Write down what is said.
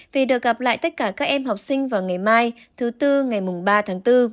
vì được gặp lại tất cả các em học sinh vào ngày mai thứ tư ngày mùng ba tháng bốn